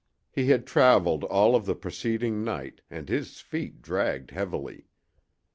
He had traveled all of the preceding night, and his feet dragged heavily.